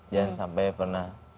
jangan sampai pernah